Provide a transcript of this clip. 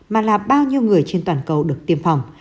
mà là bao nhiêu người trên toàn cầu được tiêm phòng